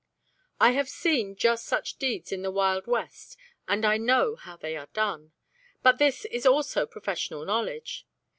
"I have seen just such deeds in the wild west and I know how they are done. But this is also professional knowledge.